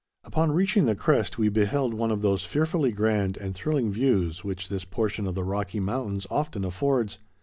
Upon reaching the crest, we beheld one of those fearfully grand and thrilling views which this portion of the Rocky Mountains often affords.